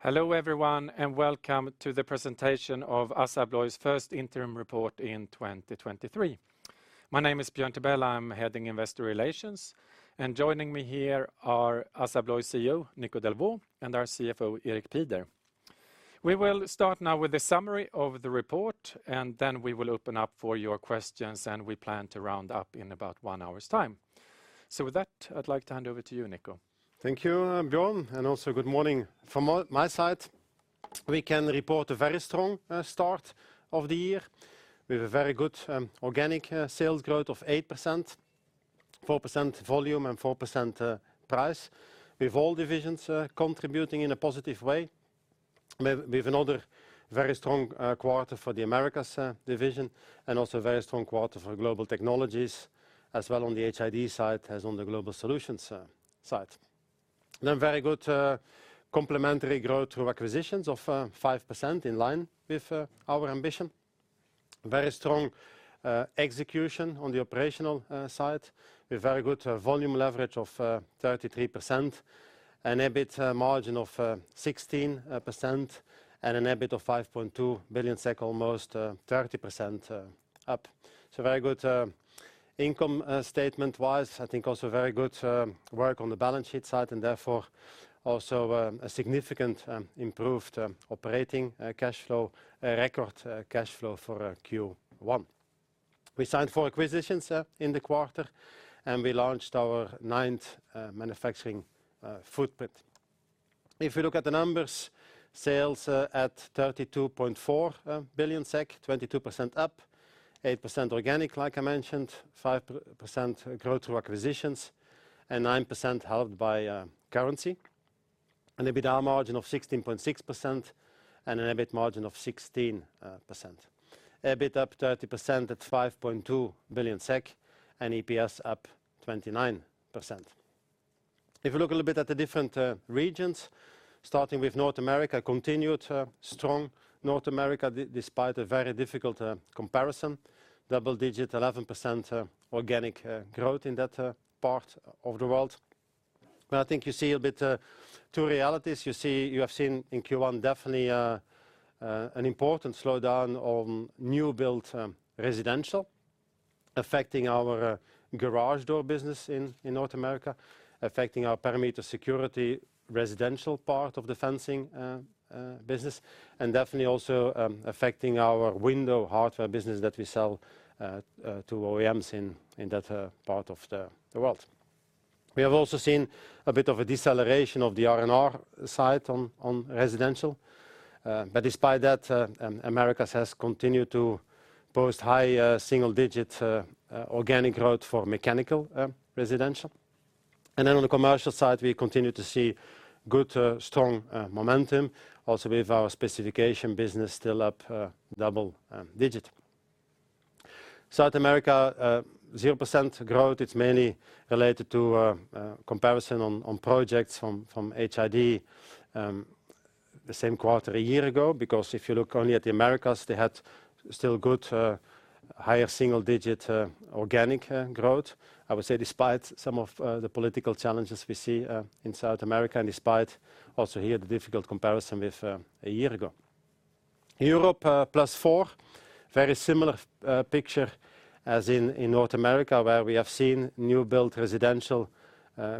Hello, everyone, and welcome to the presentation of ASSA ABLOY's First Interim Report in 2023. My name is Björn Tibell. I'm heading Investor Relations, and joining me here are ASSA ABLOY CEO Nico Delvaux and our CFO, Erik Pieder. We will start now with a summary of the report, and then we will open up for your questions, and we plan to round up in about 1 hour's time. With that, I'd like to hand over to you, Nico. Thank you, Björn, and also good morning from my side. We can report a very strong start of the year with a very good organic sales growth of 8%, 4% volume and 4% price, with all divisions contributing in a positive way. With another very strong quarter for the Americas division and also a very strong quarter for Global Technologies, as well on the HID side as on the Global Solutions side. Very good complementary growth through acquisitions of 5% in line with our ambition. Very strong execution on the operational side, with very good volume leverage of 33% and EBIT margin of 16% and an EBIT of 5.2 billion SEK, almost 30% up. Very good income statement-wise. I think also very good work on the balance sheet side and therefore also a significant improved operating cash flow, record cash flow for Q1. We signed four acquisitions in the quarter, and we launched our ninth Manufacturing Footprint Program. If you look at the numbers, sales at 32.4 billion SEK, 22% up, 8% organic, like I mentioned, 5% growth through acquisitions, and 9% helped by currency. An EBITDA margin of 16.6% and an EBIT margin of 16%. EBIT up 30% at 5.2 billion SEK and EPS up 29%. If you look a little bit at the different regions, starting with North America, continued strong North America despite a very difficult comparison, double digit, 11% organic growth in that part of the world. I think you see a bit, two realities. You have seen in Q1 definitely an important slowdown on new build, residential affecting our garage door business in North America, affecting our perimeter security residential part of the fencing business, and definitely also affecting our window hardware business that we sell to OEMs in that part of the world. We have also seen a bit of a deceleration of the R&R side on residential. Uh, but despite that, uh, um, Americas has continued to post high, uh, single digit, uh, uh, organic growth for mechanical, uh, residential. And then on the commercial side, we continue to see good, uh, strong, uh, momentum, also with our specification business still up, uh, double, uh, digit. South America, uh, zero percent growth. It's mainly related to, uh, uh, comparison on, on projects from, from HID, um, the same quarter a year ago, because if you look only at the Americas, they had still good, uh, higher single digit, uh, organic, uh, growth. I would say despite some of, uh, the political challenges we see, uh, in South America and despite also here the difficult comparison with, uh, a year ago. Europe, +4%, very similar picture as in North America, where we have seen new build residential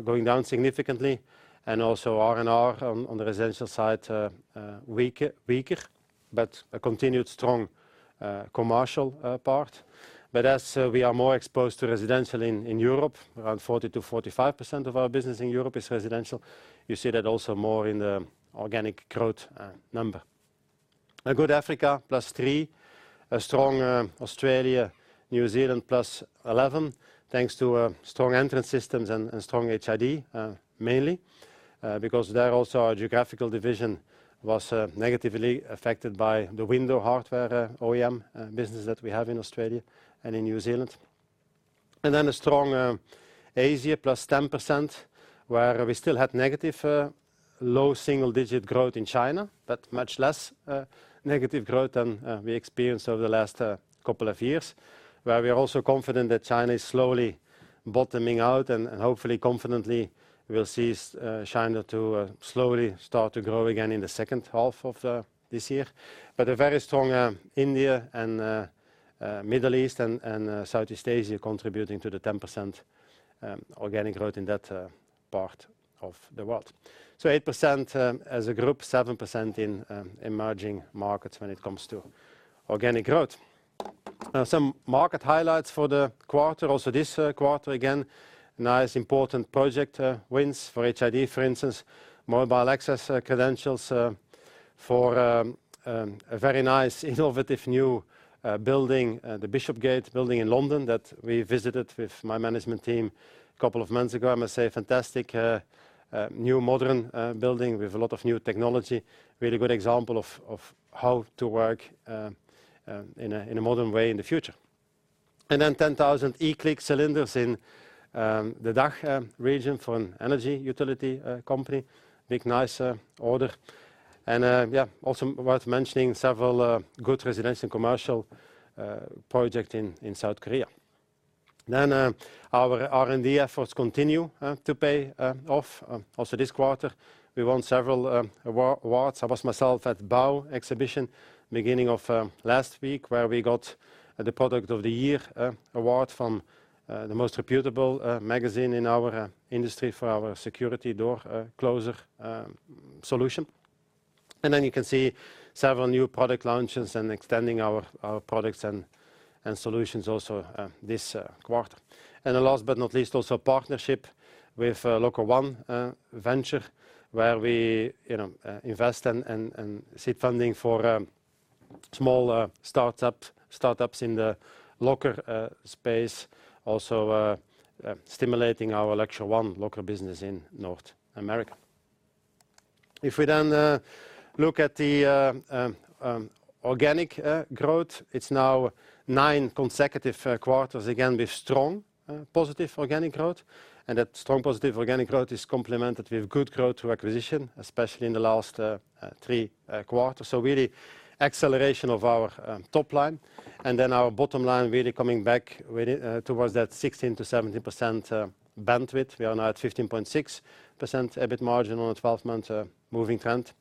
going down significantly and also R&R on the residential side weaker, but a continued strong commercial part. As we are more exposed to residential in Europe, around 40%-45% of our business in Europe is residential, you see that also more in the organic growth number. A good Africa, +3%. A strong Australia, New Zealand, +11%, thanks to strong Entrance Systems and strong HID, mainly because there also our geographical division was negatively affected by the window hardware OEM business that we have in Australia and in New Zealand Asia, +10%, where we still had negative, low single digit growth in China, much less negative growth than we experienced over the last couple of years, where we are also confident that China is slowly bottoming out and hopefully, confidently, we will see China to slowly start to grow again in the second half of this year. A very strong India and Middle East and Southeast Asia contributing to the 10% organic growth in that part of the world. 8% as a group, 7% in emerging markets when it comes to organic growth. Now some market highlights for the quarter. Also this quarter, again, nice important project wins for HID, for instance. Mobile access credentials for a very nice, innovative new building, the Bishopgate building in London that we visited with my management team a couple of months ago. I must say, fantastic new modern building with a lot of new technology. Really good example of how to work in a modern way in the future. 10,000 eCLIQ cylinders in the DACH region for an energy utility company. Big, nice order. Also worth mentioning, several good residential and commercial project in South Korea. Our R&D efforts continue to pay off also this quarter. We won several awards. I was myself at BAU beginning of last week, where we got the product of the year award from the most reputable magazine in our industry for our security door closer solution. Then you can see several new product launches and extending our products and solutions also this quarter. The last but not least, also partnership with Luxer One venture, where we, you know, invest and seek funding for small startups in the locker space. Also stimulating our Lecture One locker business in North America. If we then look at the organic growth, it's now 9 consecutive quarters, again, with strong positive organic growth. That strong positive organic growth is complemented with good growth through acquisition, especially in the last three quarters. Really acceleration of our top line. Then our bottom line really coming back really towards that 16%-17% bandwidth. We are now at 15.6% EBIT margin on a 12-month moving trend.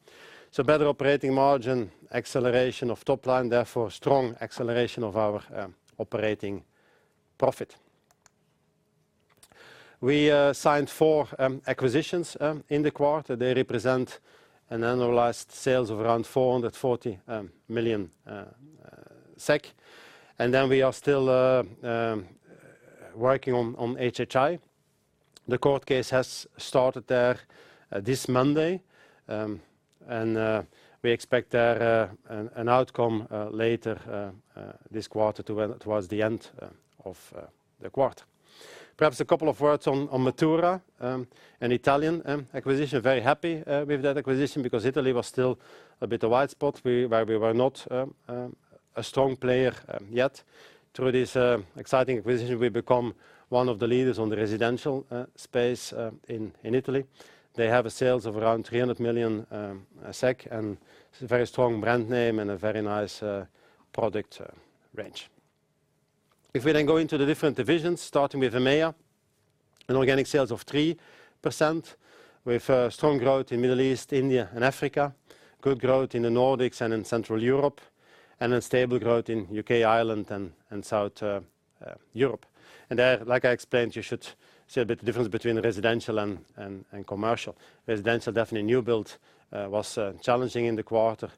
Better operating margin, acceleration of top line, therefore strong acceleration of our operating profit. We signed four acquisitions in the quarter. They represent an annualized sales of around 440 million SEK. Then we are still working on HHI. The court case has started there this Monday. We expect there an outcome later this quarter towards the end of the quarter. Perhaps a couple of words on Mottura, an Italian acquisition. Very happy with that acquisition because Italy was still a bit of white spot. Where we were not a strong player yet. Through this exciting acquisition, we become one of the leaders on the residential space in Italy. They have a sales of around 300 million SEK, and it's a very strong brand name and a very nice product range. If we then go into the different divisions, starting with EMEIA, an organic sales of 3%, with strong growth in Middle East, India and Africa, good growth in the Nordics and in Central Europe, and then stable growth in U.K., Ireland and South Europe. There, like I explained, you should see a bit difference between residential and commercial. Residential, definitely new build, was challenging in the quarter.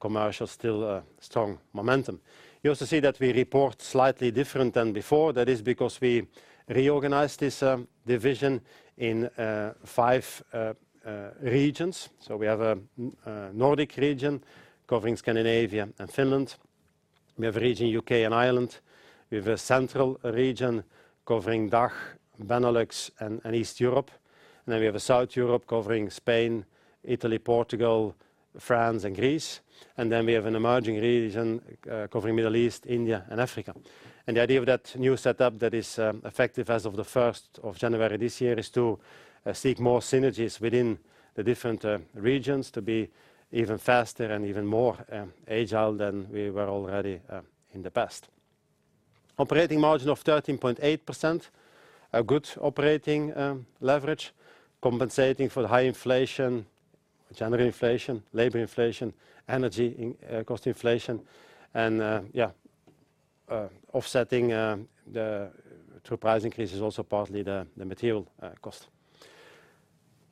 Commercial, still, strong momentum. You also see that we report slightly different than before. That is because we reorganized this division in five regions. We have a Nordic region covering Scandinavia and Finland. We have a region, U.K. and Ireland. We have a central region covering DACH, Benelux and East Europe. We have a South Europe covering Spain, Italy, Portugal, France and Greece. We have an emerging region covering Middle East, India and Africa. The idea of that new setup that is effective as of the 1st of January this year is to seek more synergies within the different regions to be even faster and even more agile than we were already in the past. Operating margin of 13.8%. A good operating leverage, compensating for the high inflation, general inflation, labor inflation, energy cost inflation, and offsetting through price increases, also partly the material cost.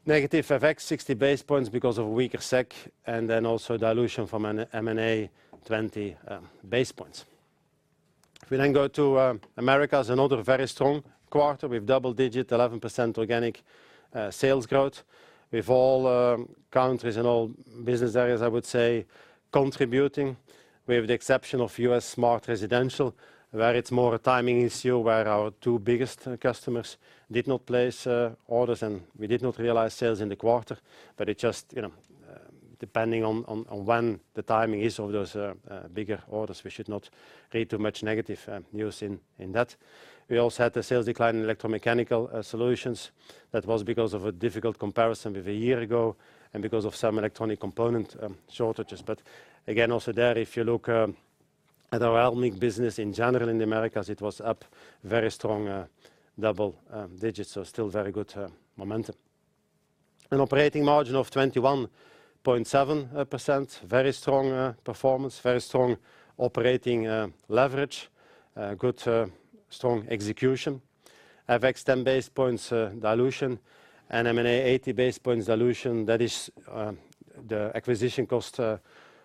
Negative FX 60 base points because of weaker SEK and then also dilution from an M&A 20 base points. We then go to Americas, another very strong quarter with double digit, 11% organic sales growth with all countries and all business areas, I would say, contributing, with the exception of U.S. smart residential, where it's more a timing issue, where our two biggest customers did not place orders and we did not realize sales in the quarter. It just, you know, depending on when the timing is of those bigger orders, we should not read too much negative news in that. We also had the sales decline in electromechanical solutions. That was because of a difficult comparison with a year ago and because of some electronic component shortages. But again, also there, if you look at our overwhelming business in general in Americas, it was up very strong double digits, so still very good momentum. An operating margin of 21.7%, very strong performance, very strong operating leverage, good strong execution. FX 10 basis points dilution and M&A 80 basis points dilution. That is the acquisition cost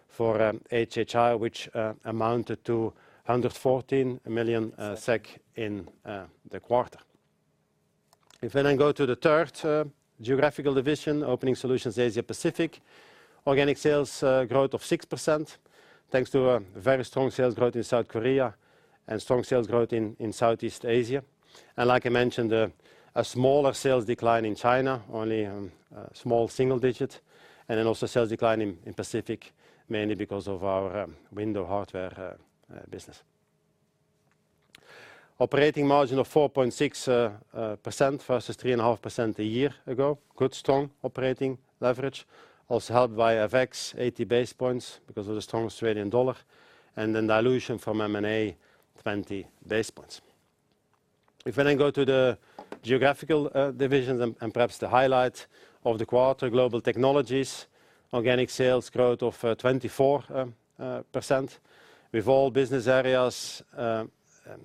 for HHI, which amounted to 114 million SEK in the quarter. If we then go to the third geographical division, Opening Solutions Asia Pacific, organic sales growth of 6%, thanks to a very strong sales growth in South Korea and strong sales growth in Southeast Asia. Like I mentioned, a smaller sales decline in China, only small single digit, and then also sales decline in Pacific, mainly because of our window hardware business. Operating margin of 4.6% versus 3.5% a year ago. Good strong operating leverage, also helped by FX 80 basis points because of the strong Australian dollar and then dilution from M&A 20 basis points. We then go to the geographical divisions and perhaps the highlight of the quarter, Global Technologies, organic sales growth of 24% with all business areas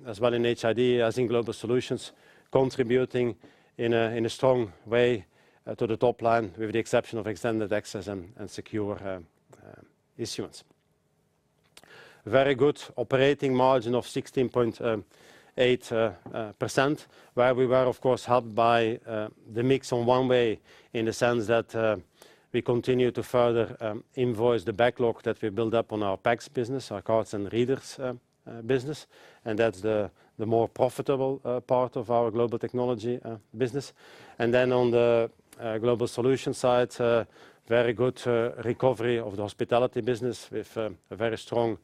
as well in HID as in Global Solutions, contributing in a strong way to the top line, with the exception of Extended Access and Secure Issuance. Very good operating margin of 16.8%, where we were, of course, helped by the mix on one way in the sense that we continue to further invoice the backlog that we build up on our PACS business, our cards and readers business. That's the more profitable part of our Global Technologies business. On the Global Solutions side, very good recovery of the hospitality business with a very strong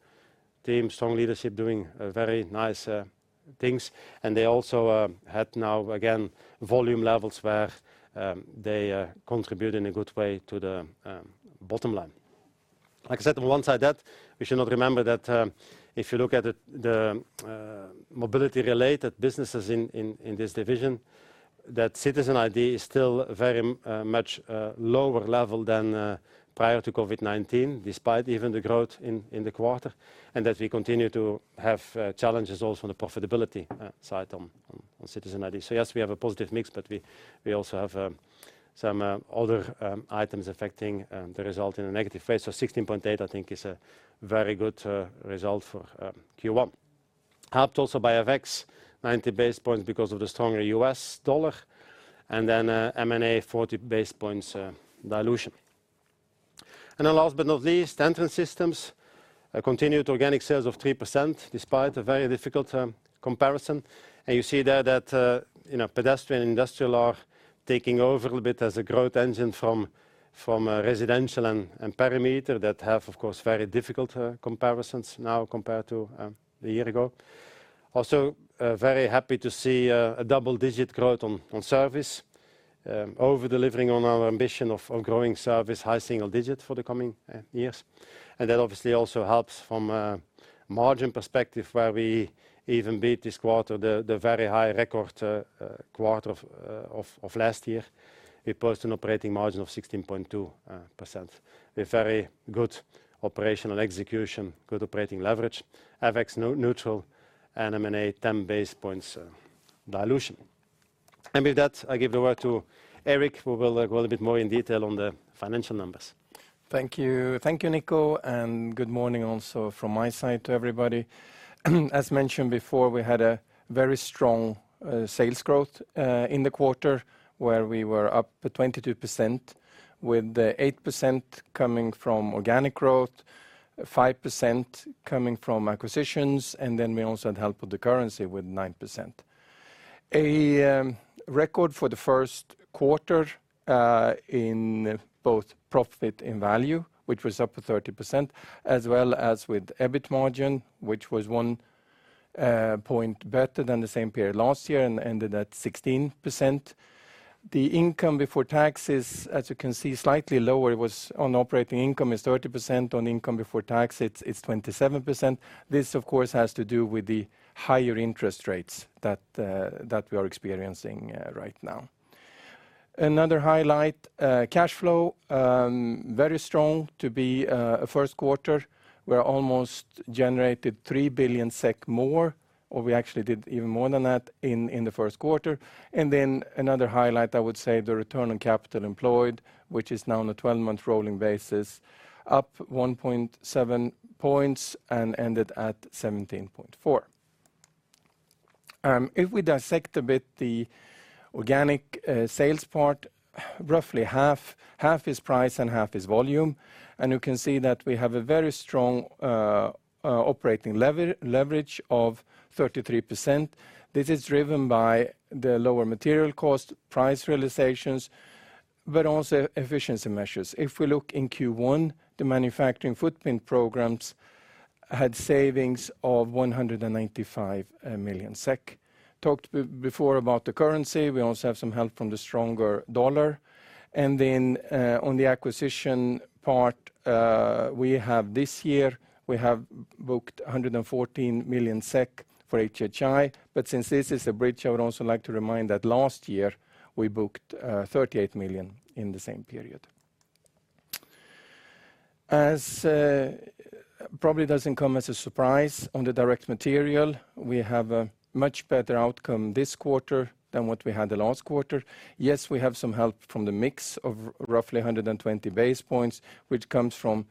team, strong leadership doing very nice things. They also had now, again, volume levels where they contribute in a good way to the bottom line. Like I said, on one side of that, we should not remember that, if you look at it, the mobility-related businesses in this division, that Citizen Identity is still very much lower level than prior to COVID-19, despite even the growth in the quarter, and that we continue to have challenges also on the profitability side on Citizen Identity. Yes, we have a positive mix, but we also have some other items affecting the result in a negative way. 16.8%, I think is a very good result for Q1. Helped also by FX 90 basis points because of the stronger US dollar, and then M&A 40 basis points dilution. Last but not least, Entrance Systems, a continued organic sales of 3% despite a very difficult comparison. You see there that, you know, pedestrian industrial are taking over a bit as a growth engine from residential and perimeter that have, of course, very difficult comparisons now compared to a year ago. Also, very happy to see a double-digit growth on service over-delivering on our ambition of growing service high single digit for the coming years. That obviously also helps from a margin perspective where we even beat this quarter, the very high record quarter of last year. We post an operating margin of 16.2% with very good operational execution, good operating leverage, FX no-neutral, and M&A 10 basis points dilution. With that, I give the word to Erik, who will go a bit more in detail on the financial numbers. Thank you. Thank you, Nico. Good morning also from my side to everybody. As mentioned before, we had a very strong sales growth in the quarter where we were up 22%, with the 8% coming from organic growth, 5% coming from acquisitions, we also had help with the currency with 9%. A record for the first quarter in both profit and value, which was up to 30%, as well as with EBIT margin, which was 1 point better than the same period last year and ended at 16%. The income before taxes, as you can see, slightly lower, was on operating income is 30%, on income before tax it's 27%. This, of course, has to do with the higher interest rates that we are experiencing right now. Another highlight, cash flow, very strong to be a first quarter. We are almost generated 3 billion SEK more, or we actually did even more than that in the first quarter. Another highlight, I would say, the return on capital employed, which is now on a 12-month rolling basis, up 1.7 points and ended at 17.4. If we dissect a bit the organic sales part, roughly half is price and half is volume. We have a very strong operating leverage of 33%. This is driven by the lower material cost, price realizations, but also efficiency measures. If we look in Q1, the Manufacturing Footprint Programs had savings of 195 million SEK. Talked before about the currency. We also have some help from the stronger dollar. On the acquisition part, we have this year, we have booked 114 million SEK for HHI. Since this is a bridge, I would also like to remind that last year, we booked 38 million in the same period. Probably doesn't come as a surprise on the direct material, we have a much better outcome this quarter than what we had the last quarter. Yes, we have some help from the mix of roughly 120 basis points, which comes from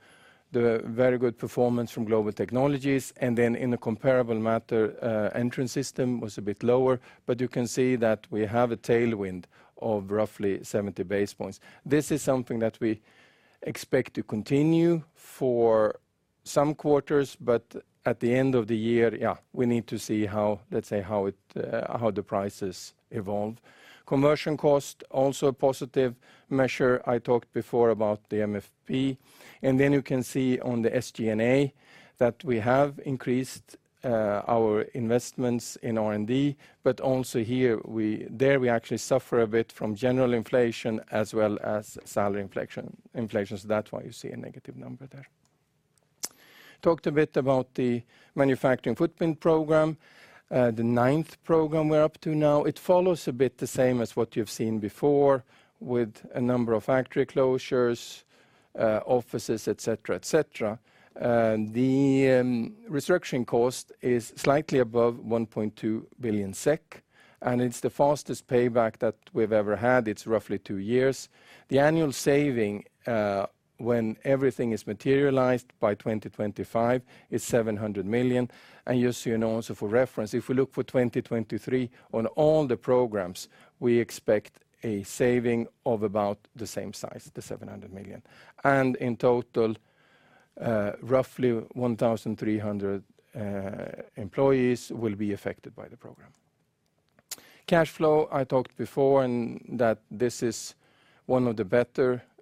the very good performance from Global Technologies. In a comparable matter, Entrance Systems was a bit lower, but you can see that we have a tailwind of roughly 70 basis points. This is something that we expect to continue for some quarters, but at the end of the year, we need to see how, let's say, how it, how the prices evolve. Conversion cost, also a positive measure. I talked before about the MFP. Then you can see on the SG&A that we have increased our investments in R&D, but also here there we actually suffer a bit from general inflation as well as salary inflation. That's why you see a negative number there. Talked a bit about the Manufacturing Footprint Program, the ninth program we're up to now. It follows a bit the same as what you've seen before with a number of factory closures, offices, et cetera, et cetera. The restructuring cost is slightly above 1.2 billion SEK, and it's the fastest payback that we've ever had. It's roughly two years. The annual saving, when everything is materialized by 2025 is 700 million. You see an answer for reference. If we look for 2023 on all the programs, we expect a saving of about the same size, the 700 million. In total, roughly 1,300 employees will be affected by the program. Cash flow, I talked before, that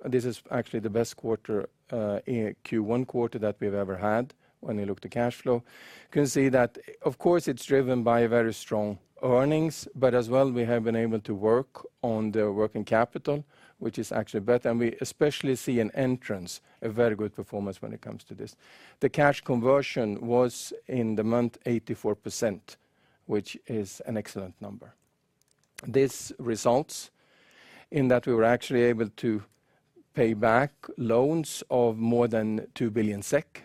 this is actually the best quarter, Q1 quarter that we've ever had when you look to cash flow. You can see that of course, it's driven by very strong earnings, but as well we have been able to work on the working capital, which is actually better. We especially see in Entrance a very good performance when it comes to this. The cash conversion was in the month 84%, which is an excellent number. This results in that we were actually able to pay back loans of more than 2 billion SEK.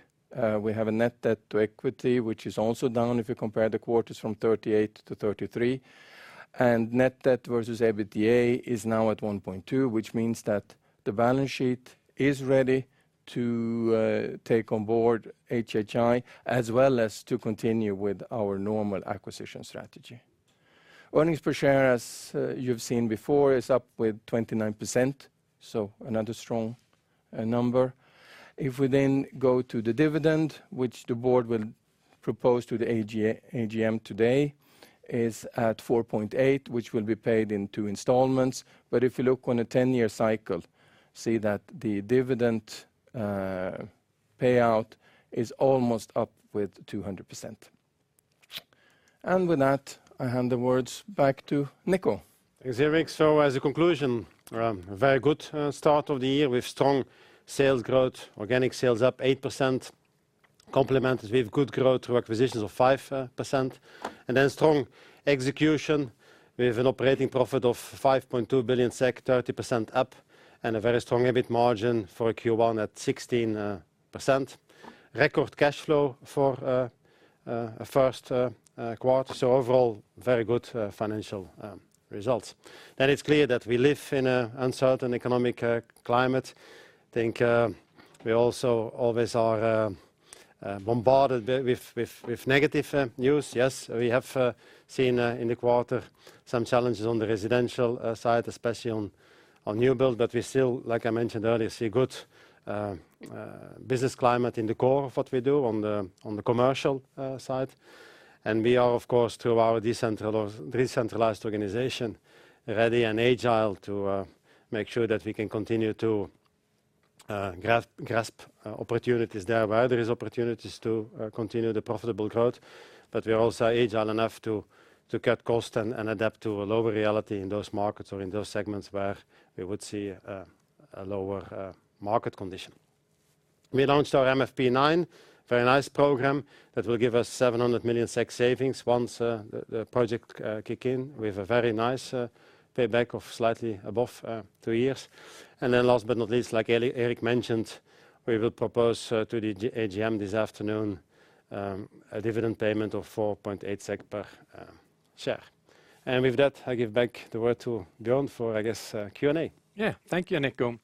We have a net debt to equity, which is also down if you compare the quarters from 38 to 33. Net debt to EBITDA is now at 1.2, which means that the balance sheet is ready to take on board HHI as well as to continue with our normal acquisition strategy. Earnings per share, as you've seen before, is up with 29%, so another strong number. If we then go to the dividend, which the board will propose to the AGM today, is at 4.8, which will be paid in two installments. If you look on a 10-year cycle, see that the dividend payout is almost up with 200%. With that, I hand the words back to Nico. Thanks, Erik. As a conclusion, very good start of the year with strong sales growth, organic sales up 8%, complemented with good growth through acquisitions of 5%, and strong execution with an operating profit of 5.2 billion SEK, 30% up, and a very strong EBIT margin for Q1 at 16%. Record cash flow for a first quarter. Overall, very good financial results. It's clear that we live in an uncertain economic climate. I think we also always are bombarded with negative news. Yes, we have seen in the quarter some challenges on the residential side, especially on new build, but we still, like I mentioned earlier, see good business climate in the core of what we do on the commercial side. We are of course, through our decentralized organization, ready and agile to make sure that we can continue to grasp opportunities there where there is opportunities to continue the profitable growth. We are also agile enough to cut costs and adapt to a lower reality in those markets or in those segments where we would see a lower market condition. We launched our MFP9, very nice program that will give us 700 million SEK savings once the project kick in with a very nice payback of slightly above two years. Last but not least, like Erik mentioned, we will propose to the AGM this afternoon a dividend payment of 4.8 SEK per share. With that, I give back the word to Björn for, I guess, Q&A. Yeah. Thank you, Nico.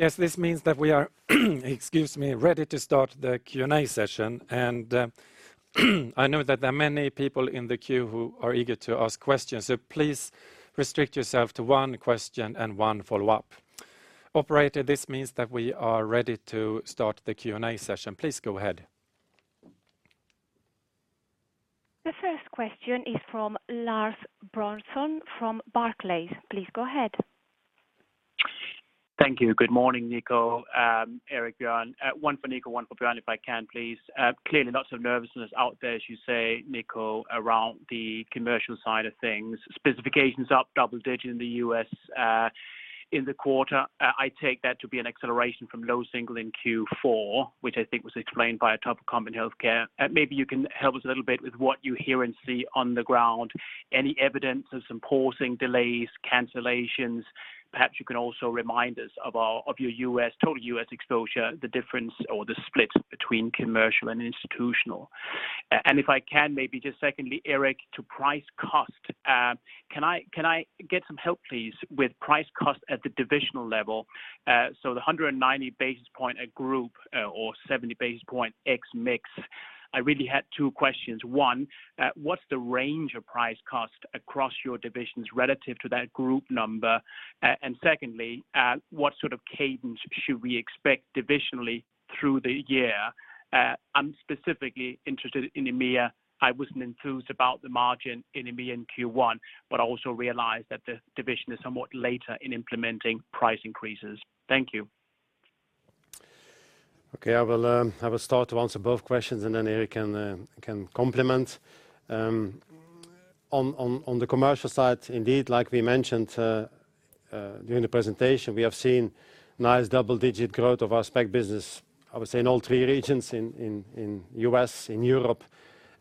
Yes, this means that we are, excuse me, ready to start the Q&A session. I know that there are many people in the queue who are eager to ask questions, so please restrict yourself to one question and one follow-up. Operator, this means that we are ready to start the Q&A session. Please go ahead. The first question is from Lars Brorson from Barclays. Please go ahead. Thank you. Good morning, Nico, Erik, Björn. One for Nico, one for Björn, if I can, please. Clearly lots of nervousness out there, as you say, Nico, around the commercial side of things. Specifications up double digits in the U.S. in the quarter. I take that to be an acceleration from low single in Q4, which I think was explained by a top common healthcare. Maybe you can help us a little bit with what you hear and see on the ground. Any evidence of some pausing delays, cancellations? Perhaps you can also remind us of your U.S., total U.S. exposure, the difference or the splits between commercial and institutional. If I can, maybe just secondly, Erik, to price cost, can I get some help, please, with price cost at the divisional level? The 190 basis point at group, or 70 basis point X mix, I really had two questions. 1, what's the range of price cost across your divisions relative to that group number? Secondly, what sort of cadence should we expect divisionally through the year? I'm specifically interested in EMEIA. I wasn't enthused about the margin in EMEIA in Q1, but I also realize that the division is somewhat later in implementing price increases. Thank you. Okay. I will, I will start to answer both questions. Erik can complement. On the commercial side, indeed, like we mentioned during the presentation, we have seen nice double-digit growth of our spec business, I would say in all three regions in U.S., in Europe,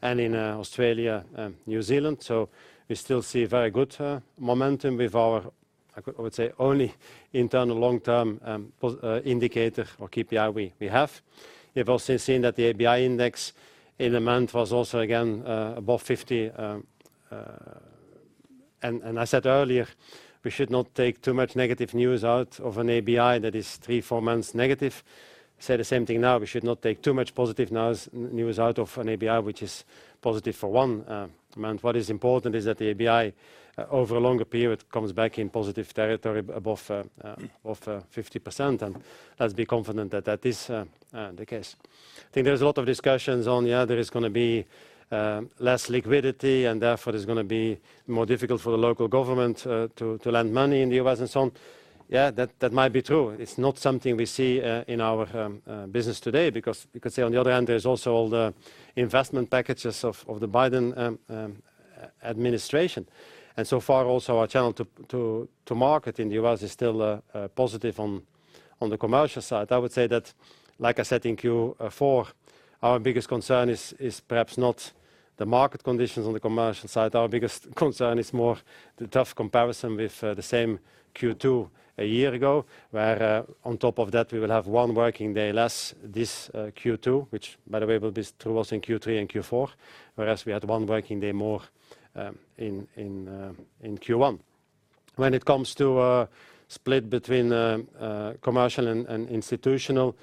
and in Australia and New Zealand. We still see very good momentum with our, I would say, only internal long-term indicator or KPI we have. We have also seen that the ABI index in the month was also again above 50. I said earlier, we should not take too much negative news out of an ABI that is three, four months negative. Say the same thing now. We should not take too much positive no-news out of an ABI which is positive for 1 month. What is important is that the ABI over a longer period comes back in positive territory above 50%. Let's be confident that that is the case. I think there's a lot of discussions on, yeah, there is gonna be less liquidity and therefore is gonna be more difficult for the local government to lend money in the U.S. and so on. Yeah, that might be true. It's not something we see in our business today because you could say on the other hand, there's also all the investment packages of the Biden administration. So far also our channel to market in the US is still positive on the commercial side. I would say that like I said in Q4, our biggest concern is perhaps not the market conditions on the commercial side. Our biggest concern is more the tough comparison with the same Q2 a year ago. Where on top of that, we will have 1 working day less this Q2, which by the way will be true also in Q3 and Q4. Whereas we had one working day more in Q1. When it comes to split between commercial and institutional,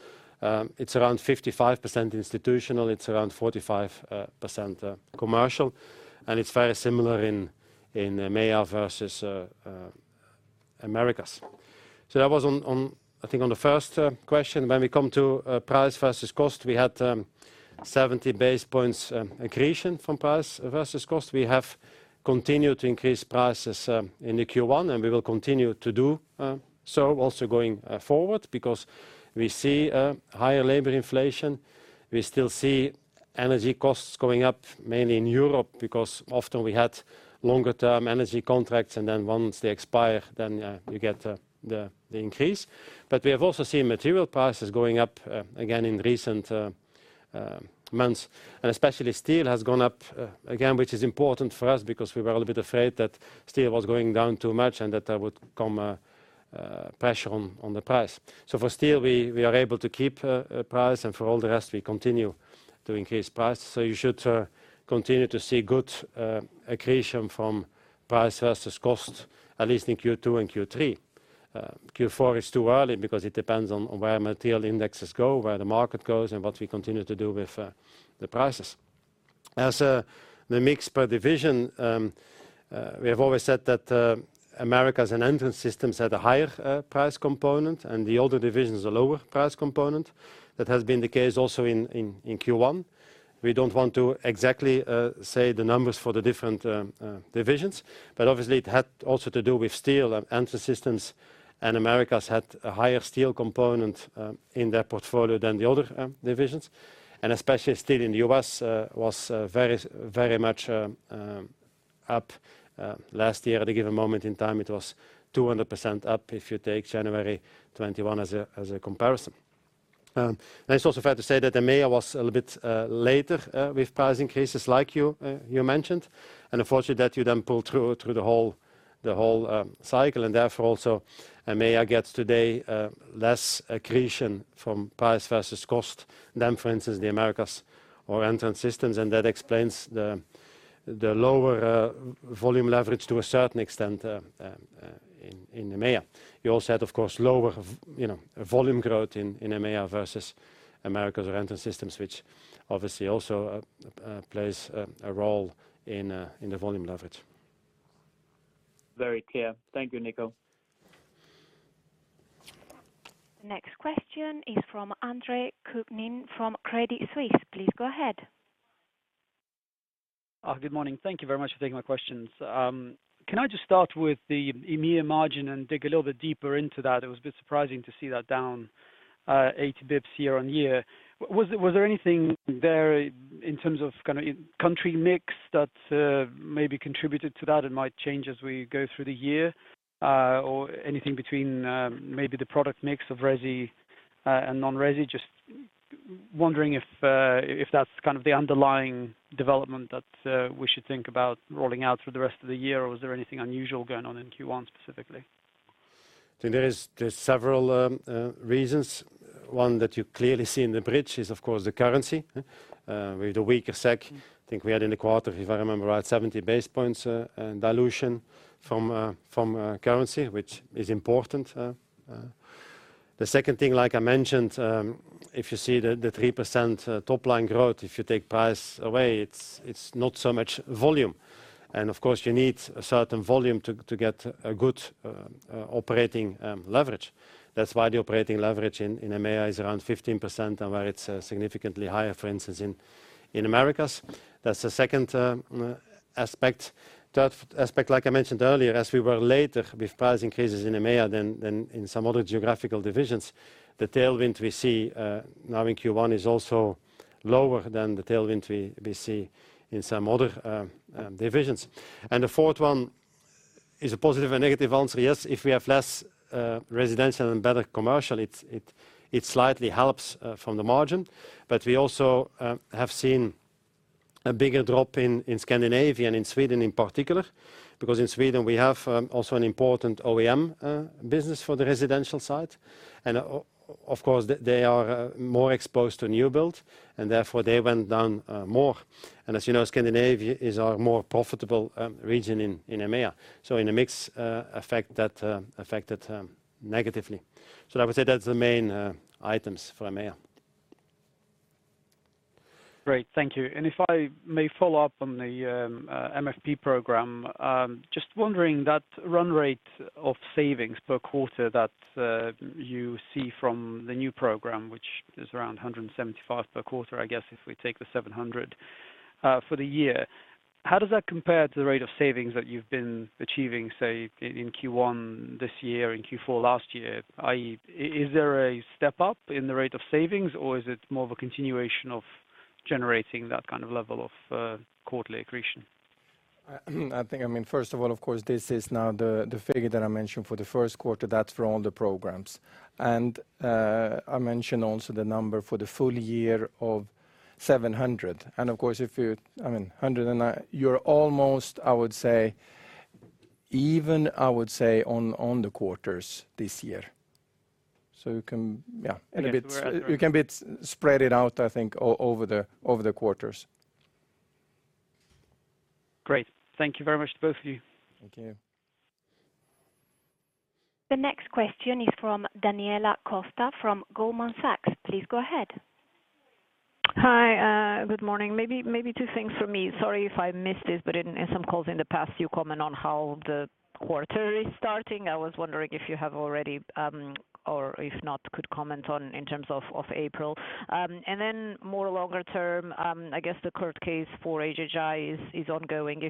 it's around 55% institutional, it's around 45% commercial. It's very similar in EMEIA versus Americas. That was on... I think on the first question. When we come to price versus cost, we had 70 basis points accretion from price versus cost. We have continued to increase prices in Q1, and we will continue to do so also going forward because we see higher labor inflation. We still see energy costs going up, mainly in Europe, because often we had longer term energy contracts and then once they expire, then you get the increase. We have also seen material prices going up again in recent months. Especially steel has gone up again, which is important for us because we were a little bit afraid that steel was going down too much and that there would come a pressure on the price. For steel, we are able to keep price, and for all the rest we continue to increase price. You should continue to see good accretion from price versus cost, at least in Q2 and Q3. Q4 is too early because it depends on where material indexes go, where the market goes, and what we continue to do with the prices. As the mix per division, we have always said that Americas and Entrance Systems had a higher price component and the older divisions a lower price component. That has been the case also in Q1. We don't want to exactly say the numbers for the different divisions, but obviously it had also to do with steel. Entrance Systems and Americas had a higher steel component in their portfolio than the other divisions. Especially steel in the U.S. was very much up last year. At a given moment in time, it was 200% up if you take January 2021 as a comparison. It's also fair to say that EMEIA was a little bit later with price increases like you mentioned. Unfortunately that you then pull through the whole cycle and therefore also EMEIA gets today less accretion from price versus cost than for instance the Americas or Entrance Systems. That explains the lower volume leverage to a certain extent in EMEIA. You also had of course lower, you know, volume growth in EMEIA versus Americas or Entrance Systems, which obviously also plays a role in the volume leverage. Very clear. Thank you, Nico. Next question is from Andre Kukhnin from Credit Suisse. Please go ahead. Good morning. Thank you very much for taking my questions. Can I just start with the EMEIA margin and dig a little bit deeper into that? It was a bit surprising to see that down 80 basis points year-on-year. Was there anything there in terms of kind of country mix that maybe contributed to that and might change as we go through the year? Or anything between maybe the product mix of resi and non-resi? Just wondering if that's kind of the underlying development that we should think about rolling out through the rest of the year or was there anything unusual going on in Q1 specifically? I think there's several reasons. One that you clearly see in the bridge is of course the currency. With the weaker SEK, I think we had in the quarter, if I remember right, 70 basis points dilution from currency, which is important. The second thing, like I mentioned, if you see the 3% top line growth, if you take price away, it's not so much volume. Of course you need a certain volume to get a good operating leverage. That's why the operating leverage in EMEIA is around 15% and where it's significantly higher, for instance in Americas. That's the second aspect. Third aspect, like I mentioned earlier, as we were later with price increases in EMEIA than in some other geographical divisions. The tailwind we see now in Q1 is also lower than the tailwind we see in some other divisions. The fourth one is a positive and negative answer. Yes, if we have less residential and better commercial, it slightly helps from the margin. We also have seen a bigger drop in Scandinavia and in Sweden in particular, because in Sweden we have also an important OEM business for the residential side. Of course, they are more exposed to new build, and therefore they went down more. As you know, Scandinavia is our more profitable region in EMEIA. In a mix effect that affected negatively. I would say that's the main items for EMEIA. Great. Thank you. If I may follow up on the MFP program, just wondering that run rate of savings per quarter that you see from the new program, which is around 175 per quarter, I guess, if we take 700 for the year. How does that compare to the rate of savings that you've been achieving, say in Q1 this year, in Q4 last year? I.e., is there a step up in the rate of savings, or is it more of a continuation of generating that kind of level of quarterly accretion? I think I mean, first of all, of course, this is now the figure that I mentioned for the first quarter. That's for all the programs. I mentioned also the number for the full year of 700. Of course, I mean, 109. You're almost I would say, even I would say on the quarters this year. You can, yeah. You can be spread it out, I think, over the, over the quarters. Great. Thank you very much to both of you. Thank you. The next question is from Daniela Costa, from Goldman Sachs. Please go ahead. Hi, good morning. Maybe two things for me. Sorry if I missed this, but in some calls in the past, you comment on how the quarter is starting. I was wondering if you have already, or if not, could comment on in terms of April. More longer term, I guess the court case for HHI is ongoing.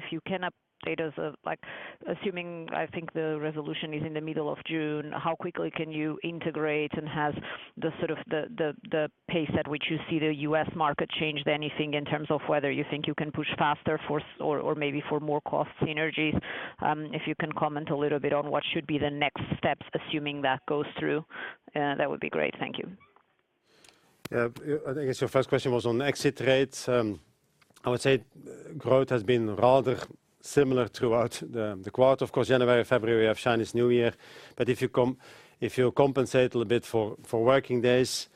If you can update us, like assuming, I think the resolution is in the middle of June, how quickly can you integrate? Has the sort of the pace at which you see the U.S. market change anything in terms of whether you think you can push faster for or maybe for more cost synergies? If you can comment a little bit on what should be the next steps, assuming that goes through, that would be great. Thank you. I guess your first question was on exit rates. I would say growth has been rather similar throughout the quarter. Of course, January, February, we have Chinese New Year. If you compensate a little bit for working days,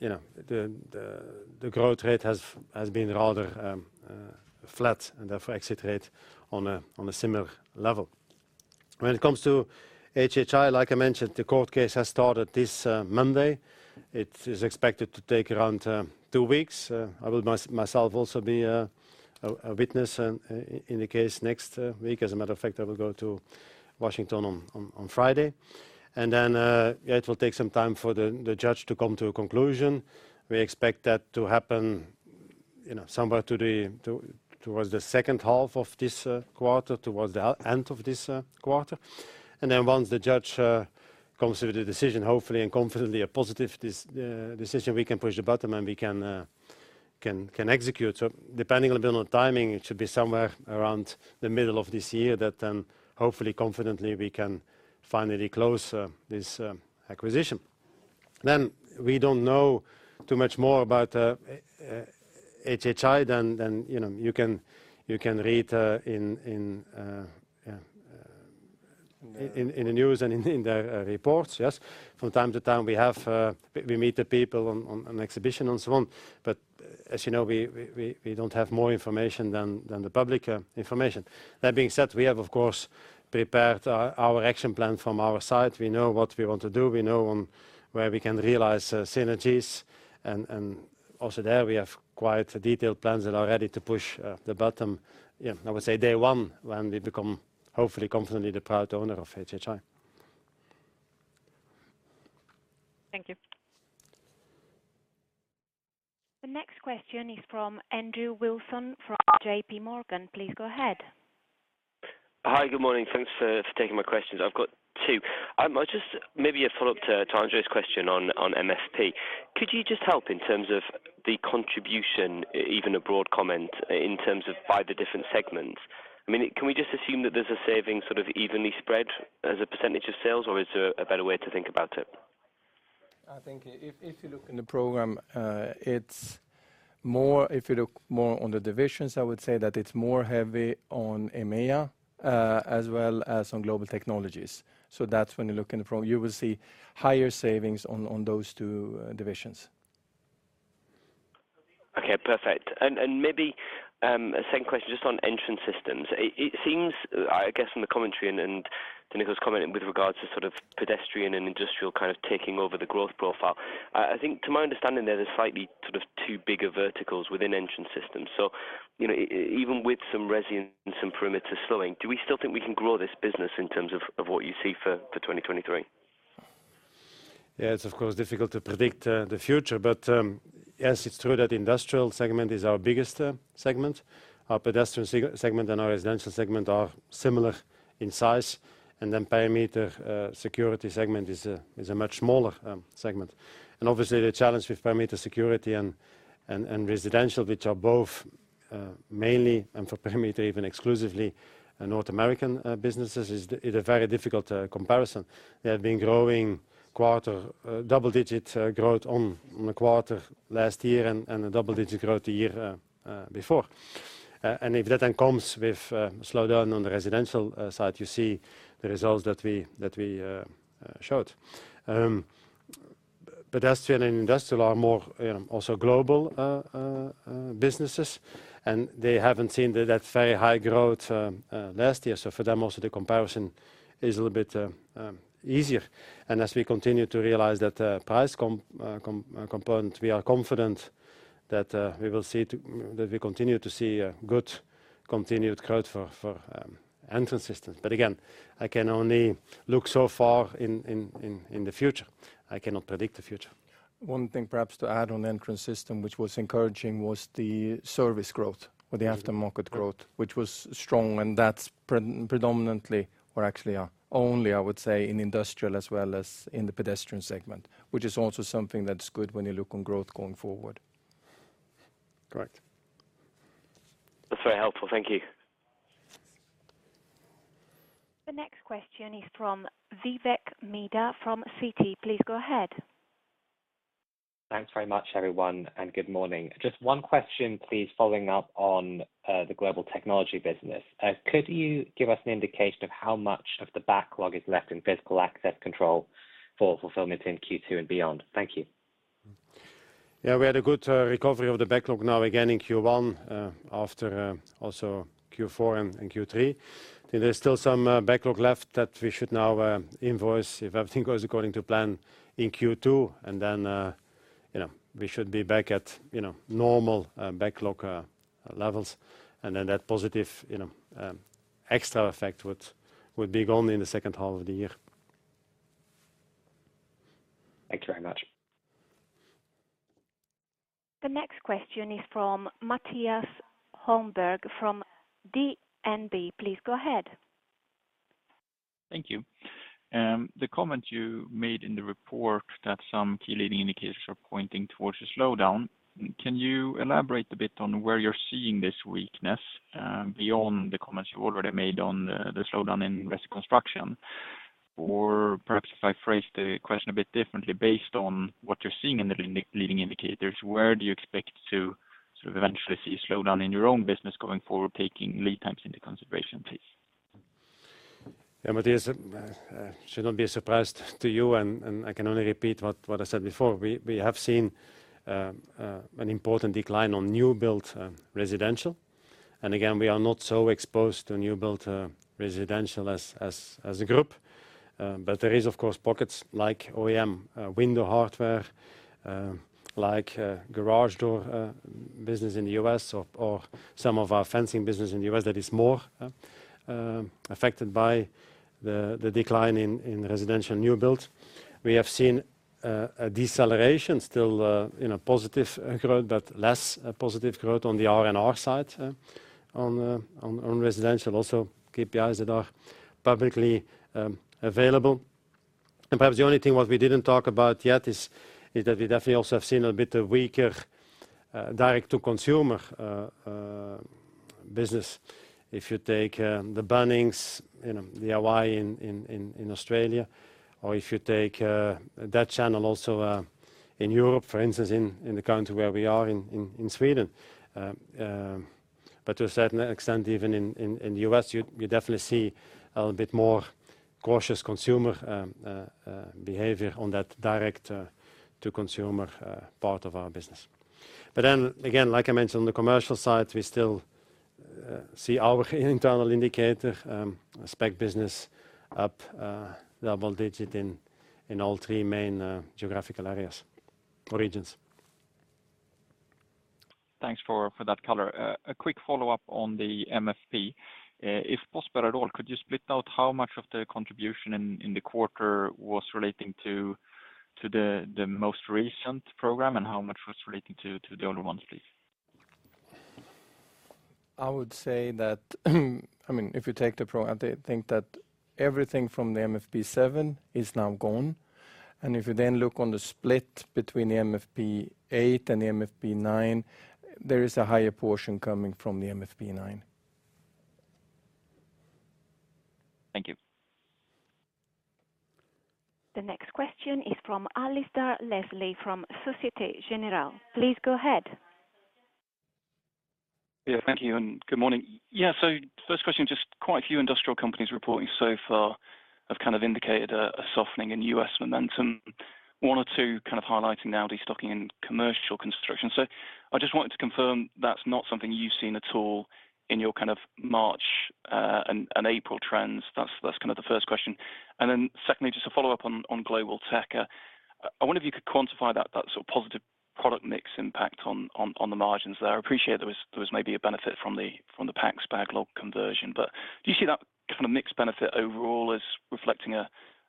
you know, the growth rate has been rather flat and therefore exit rate on a similar level. When it comes to HHI, like I mentioned, the court case has started this Monday. It is expected to take around two weeks. I will myself also be a witness in the case next week. As a matter of fact, I will go to Washington on Friday. It will take some time for the judge to come to a conclusion. We expect that to happen, somewhere towards the second half of this quarter, towards the end of this quarter. Once the judge comes with a decision, hopefully and confidently, a positive decision, we can push the button and we can execute. Depending a little on timing, it should be somewhere around the middle of this year that hopefully, confidently, we can finally close this acquisition. We don't know too much more about HHI than you can read in the news and in the reports. Yes. From time to time, we meet the people on an exhibition and so on. As we don't have more information than the public information. That being said, we have of course prepared our action plan from our side. We know what we want to do. We know on where we can realize synergies. Also there we have quite detailed plans that are ready to push the button, I would say day one, when we become hopefully, confidently the proud owner of HHI. Thank you. The next question is from Andrew Wilson, from JPMorgan. Please go ahead. Hi. Good morning. Thanks for taking my questions. I've got two. I might just maybe a follow-up to Andre's question on MFP. Could you just help in terms of the contribution, even a broad comment in terms of by the different segments? I mean, can we just assume that there's a saving sort of evenly spread as a percentage of sales, or is there a better way to think about it? I think if you look in the program, it's more if you look more on the divisions, I would say that it's more heavy on EMEIA, as well as on Global Technologies. That's when you look in the program, you will see higher savings on those two divisions. Okay, perfect. Maybe a second question just on Entrance Systems. It, it seems, I guess from the commentary and then it was commented with regards to sort of pedestrian and industrial kind of taking over the growth profile. I think to my understanding, there's a slightly sort of two bigger verticals within Entrance Systems. You know, even with some resi and some perimeters slowing, do we still think we can grow this business in terms of what you see for 2023? It's of course difficult to predict the future. Yes, it's true that industrial segment is our biggest segment. Our pedestrian segment and our residential segment are similar in size. Parameter security segment is a much smaller segment. Obviously the challenge with parameter security and residential, which are both mainly and for perimeter even exclusively North American businesses is a very difficult comparison. They have been growing quarter double digit growth on the quarter last year and a double digit growth the year before. If that comes with slowdown on the residential side, you see the results that we showed. Pedestrian and industrial are more also global businesses, they haven't seen that very high growth last year. For them also the comparison is a little bit easier. As we continue to realize that price component, we are confident that we continue to see a good continued growth for Entrance Systems. Again, I can only look so far in the future. I cannot predict the future. One thing perhaps to add on Entrance Systems, which was encouraging, was the service growth or the aftermarket growth, which was strong and that's predominantly or actually, only, I would say in industrial as well as in the pedestrian segment, which is also something that's good when you look on growth going forward. Correct. That's very helpful. Thank you. The next question is from Vivek Midha from Citi. Please go ahead. Thanks very much everyone, good morning. Just one question please. Following up on the Global Technologies business. Could you give us an indication of how much of the backlog is left in physical access control for fulfillment in Q2 and beyond? Thank you. Yeah. We had a good recovery of the backlog now again in Q1, after also Q4 and Q3. There's still some backlog left that we should now invoice if everything goes according to plan in Q2. You know, we should be back at, you know, normal backlog levels and then that positive, you know, extra effect would be gone in the second half of the year. Thank you very much. The next question is from Mattias Holmberg from DNB. Please go ahead. Thank you. The comment you made in the report that some key leading indicators are pointing towards a slowdown, can you elaborate a bit on where you're seeing this weakness, beyond the comments you already made on the slowdown in resi construction? Perhaps if I phrase the question a bit differently, based on what you're seeing in the leading indicators, where do you expect to sort of eventually see a slowdown in your own business going forward, taking lead times into consideration, please? Yeah. Mattias, should not be a surprise to you and I can only repeat what I said before. We have seen an important decline on new build residential. Again, we are not so exposed to new build residential as a group. But there is of course pockets like OEM window hardware, like garage door business in the U.S. or some of our fencing business in the U.S. that is more affected by the decline in residential new build. We have seen a deceleration still in a positive growth, but less positive growth on the R&R side on residential, also KPIs that are publicly available. Perhaps the only thing what we didn't talk about yet is that we definitely also have seen a bit of weaker direct to consumer business. If you take the Bunnings, you know, the Hawaii in Australia or if you take that channel also in Europe, for instance, in the country where we are in Sweden. To a certain extent, even in the U.S., you definitely see a little bit more cautious consumer behavior on that direct to consumer part of our business. Again, like I mentioned on the commercial side, we still see our internal indicator spec business up double digit in all three main geographical areas or regions. Thanks for that color. A quick follow-up on the MFP. If possible at all, could you split out how much of the contribution in the quarter was relating to the most recent program, and how much was relating to the older ones, please? I would say that, I mean, I think that everything from the MFP7 is now gone. If you then look on the split between the MFP8 and the MFP9, there is a higher portion coming from the MFP9. Thank you. The next question is from Alasdair Leslie from Société Générale. Please go ahead. Thank you and good morning. First question, just quite a few industrial companies reporting so far have kind of indicated a softening in U.S. momentum. One or two kind of highlighting now destocking in commercial construction. I just wanted to confirm that's not something you've seen at all in your kind of March and April trends. That's kind of the first question. Secondly, just to follow up on Global Tech. I wonder if you could quantify that sort of positive product mix impact on the margins there. I appreciate there was maybe a benefit from the PAX backlog conversion. Do you see that kind of mix benefit overall as reflecting a,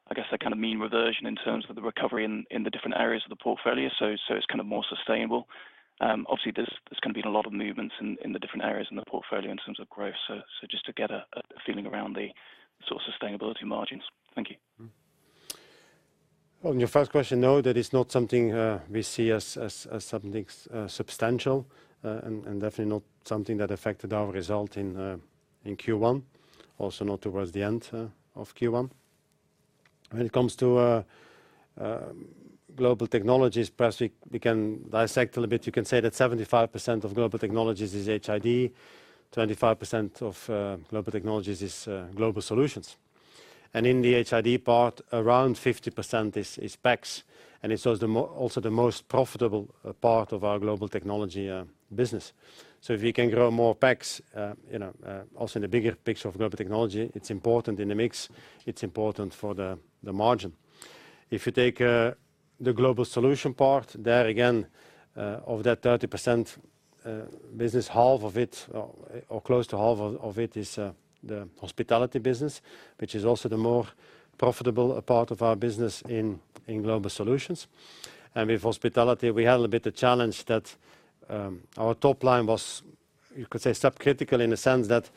I guess, a kind of mean reversion in terms of the recovery in the different areas of the portfolio, so it's kind of more sustainable? Obviously, there's gonna be a lot of movements in the different areas in the portfolio in terms of growth. Just to get a feeling around the sort of sustainability margins. Thank you. On your first question, no, that is not something we see as something substantial, and definitely not something that affected our result in Q1, also not towards the end of Q1. When it comes to Global Technologies, perhaps we can dissect a little bit. You can say that 75% of Global Technologies is HID, 25% of Global Technologies is Global Solutions. In the HID part, around 50% is PACS, and it's also the most profitable part of our Global Technology business. If you can grow more PACS, you know, also in the bigger picture of Global Technology, it's important in the mix, it's important for the margin. If you take the Global Solutions part, there again, of that 30% business, half of it or close to half of it is the hospitality business, which is also the more profitable part of our business in Global Solutions. With hospitality, we had a bit a challenge that our top line was, you could say, subcritical in the sense that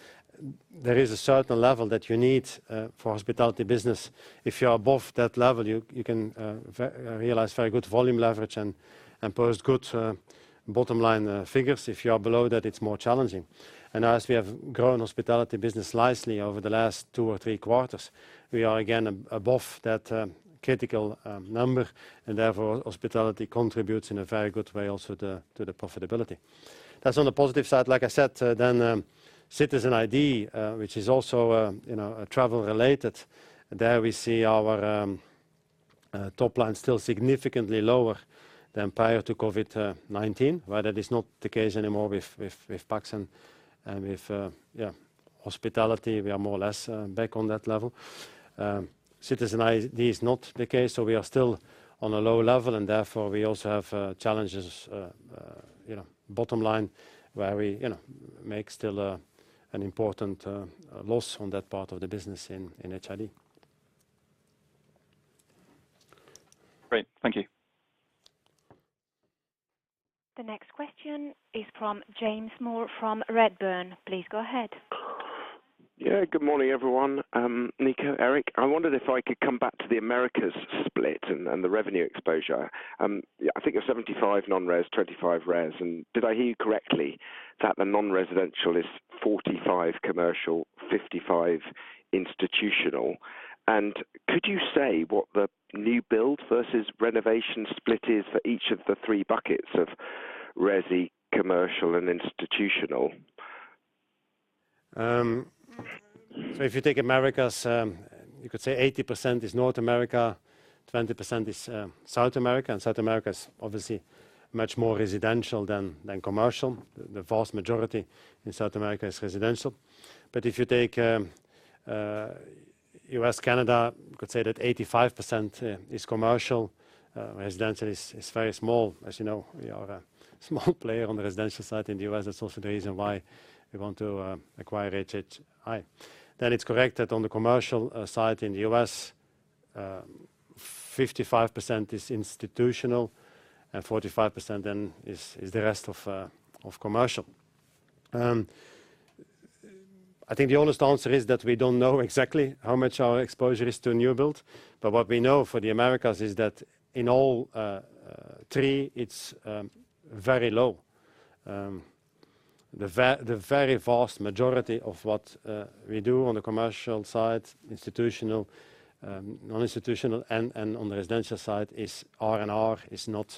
there is a certain level that you need for hospitality business. If you are above that level, you can realize very good volume leverage and post good bottom line figures. If you are below that, it's more challenging. As we have grown hospitality business nicely over the last two or three quarters, we are again above that critical number, and therefore, hospitality contributes in a very good way also to the profitability. That's on the positive side. Like I said, then Citizen Identity, which is also, you know, travel related. There we see our top line still significantly lower than prior to COVID-19, where that is not the case anymore with PACS and with hospitality, we are more or less back on that level. Citizen Identity is not the case, so we are still on a low level, and therefore we also have challenges, you know, bottom line, where we, you know, make still an important loss on that part of the business in HID. Great. Thank you. The next question is from James Moore from Redburn. Please go ahead. Yeah. Good morning, everyone. Nico, Erik, I wondered if I could come back to the Americas split and the revenue exposure. I think you're 75 non-res, 25 res. Did I hear you correctly that the non-residential is 45 commercial, 55 institutional? Could you say what the new build versus renovation split is for each of the three buckets of resi, commercial and institutional? If you take Americas, you could say 80% is North America, 20% is South America. South America is obviously much more residential than commercial. The vast majority in South America is residential. If you take U.S., Canada, you could say that 85% is commercial. Residential is very small. As you know, we are a small player on the residential side in the U.S. That's also the reason why we want to acquire HHI. It's correct that on the commercial side in the U.S., 55% is institutional and 45% is the rest of commercial. I think the honest answer is that we don't know exactly how much our exposure is to new build. What we know for the Americas is that in all three, it's very low. The very vast majority of what we do on the commercial side, institutional, non-institutional and on the residential side is R&R, is not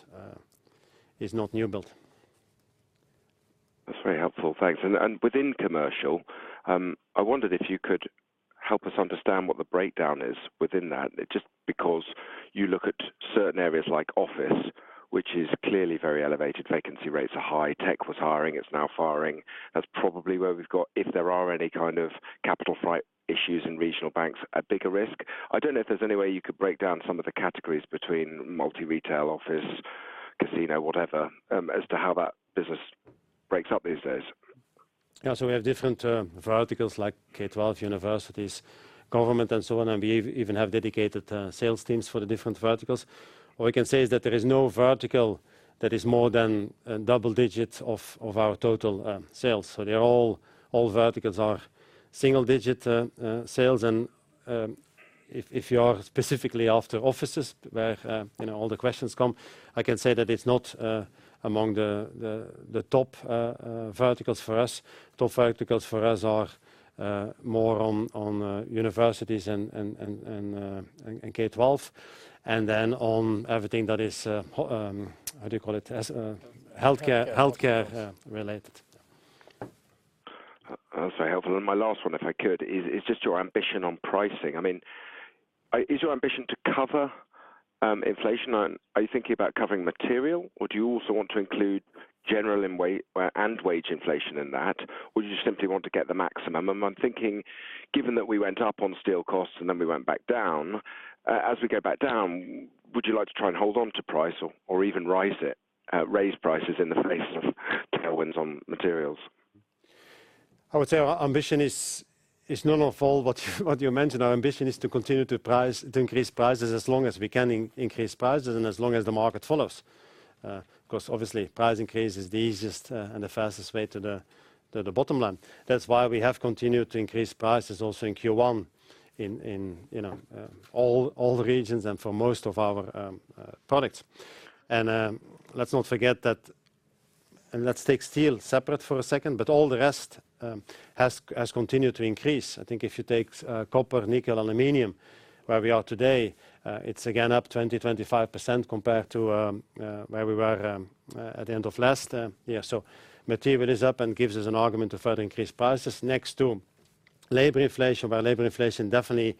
new build. That's very helpful. Thanks. Within commercial, I wondered if you could help us understand what the breakdown is within that. Just because you look at certain areas like office, which is clearly very elevated, vacancy rates are high. Tech was hiring, it's now firing. That's probably where we've got, if there are any kind of capital flight issues in regional banks, a bigger risk. I don't know if there's any way you could break down some of the categories between multi-retail, office, casino, whatever, as to how that business breaks up these days. Yeah. We have different verticals like K-12 universities, government and so on, and we even have dedicated sales teams for the different verticals. What we can say is that there is no vertical that is more than double digits of our total sales. They're all verticals are single digit sales. If you are specifically after offices where, you know, all the questions come, I can say that it's not among the top verticals for us. Top verticals for us are more on universities and K-12, and then on everything that is how do you call it? As Healthcare. ...healthcare, related. That's very helpful. My last one, if I could, is just your ambition on pricing. I mean, is your ambition to cover inflation? Are you thinking about covering material, or do you also want to include general and wage inflation in that? Or do you simply want to get the maximum? I'm thinking, given that we went up on steel costs and then we went back down, as we go back down, would you like to try and hold on to price or even rise it, raise prices in the face of tailwinds on materials? I would say our ambition is none of all what you mentioned. Our ambition is to continue to price, to increase prices as long as we can increase prices and as long as the market follows. Of course, obviously price increase is the easiest and the fastest way to the bottom line. That's why we have continued to increase prices also in Q1 in, you know, all the regions and for most of our products. Let's not forget that. Let's take steel separate for a second, but all the rest has continued to increase. I think if you take copper, nickel, aluminum, where we are today, it's again up 20%-25% compared to where we were at the end of last year. Material is up and gives us an argument to further increase prices. Next, to labor inflation, where labor inflation definitely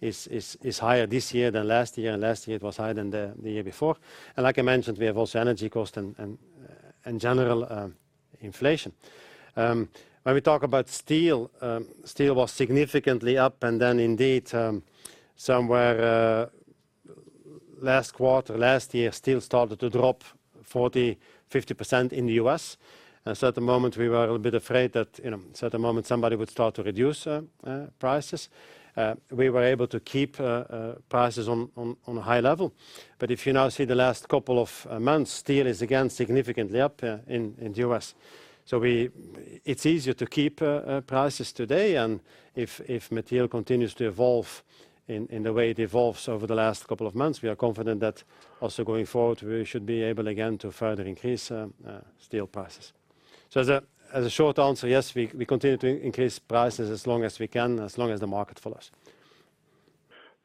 is higher this year than last year, and last year it was higher than the year before. Like I mentioned, we have also energy cost and general inflation. When we talk about steel was significantly up and then indeed, somewhere last quarter, last year, steel started to drop 40%, 50% in the U.S. At the moment, we were a little bit afraid that, you know, at a certain moment somebody would start to reduce prices. We were able to keep prices on a high level. If you now see the last couple of months, steel is again significantly up in the U.S. It's easier to keep prices today. If material continues to evolve in the way it evolves over the last couple of months, we are confident that also going forward, we should be able again to further increase steel prices. As a short answer, yes, we continue to increase prices as long as we can, as long as the market follows.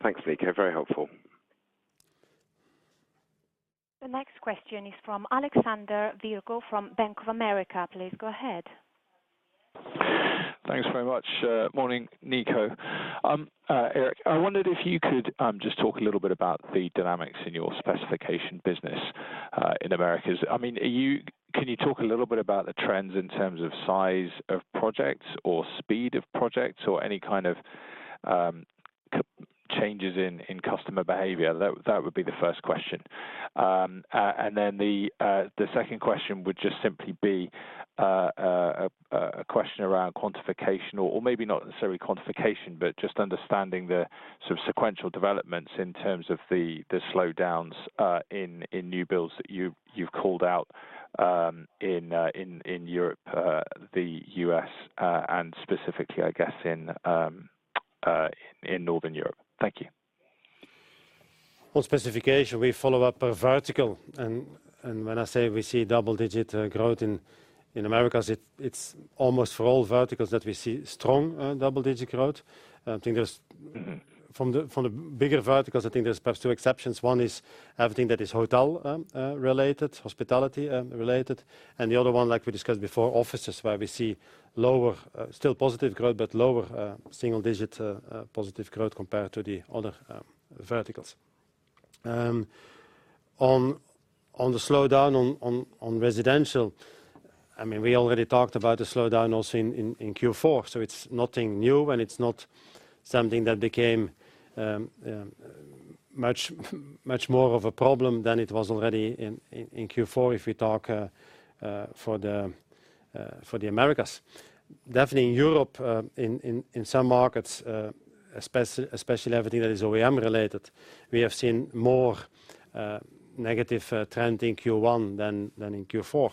Thanks, Nico. Very helpful. The next question is from Alexander Virgo from Bank of America. Please go ahead. Thanks very much. Morning, Nico. Erik, I wondered if you could just talk a little bit about the dynamics in your specification business in Americas. Can you talk a little bit about the trends in terms of size of projects or speed of projects or any kind of changes in customer behavior? That would be the first question. Then the second question would just simply be a question around quantification or maybe not necessarily quantification, but just understanding the sort of sequential developments in terms of the slowdowns in new builds that you've called out in Europe, the U.S., and specifically, I guess, in Northern Europe. Thank you. On specification, we follow up per vertical and when I say we see double-digit growth in Americas, it's almost for all verticals that we see strong double-digit growth. From the bigger verticals, I think there's perhaps two exceptions. One is everything that is hotel related, hospitality related. The other one, like we discussed before, offices, where we see lower still positive growth, but lower single digit positive growth compared to the other verticals. On the slowdown on residential, I mean, we already talked about the slowdown also in Q4, so it's nothing new, and it's not something that became much more of a problem than it was already in Q4 if we talk for the Americas. Definitely in Europe, in some markets, especially everything that is OEM related, we have seen more negative trend in Q1 than in Q4.